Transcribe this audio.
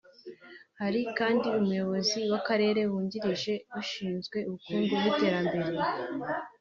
Hari kandi Umuyobozi w’Akarere wungirije ushinzwe Ubukungu n’Iterambere